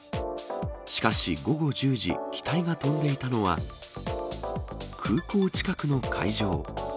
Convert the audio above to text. しかし午後１０時、機体が飛んでいたのは、空港近くの海上。